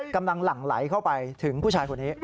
หลั่งไหลเข้าไปถึงผู้ชายคนนี้